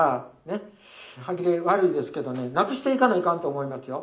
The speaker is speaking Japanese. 歯切れ悪いですけどねなくしていかないかんと思いますよ。